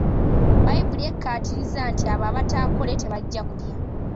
Bbayibuli ekkaatiriza nti abo abataakole tebajja kulya.